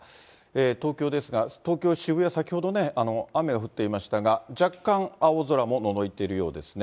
東京ですが、東京・渋谷、先ほどね、雨が降っていましたが、若干青空ものぞいているようですね。